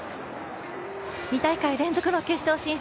２大会連続の決勝進出